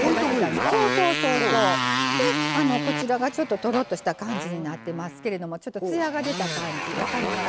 でこちらがちょっととろっとした感じになってますけれどもちょっとつやが出た感じ分かります？